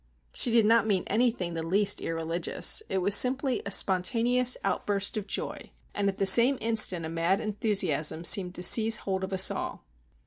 She did not mean anything the least irreligious. It was simply a spontaneous outburst of joy; and at the same instant a mad enthusiasm seemed to seize hold of us all.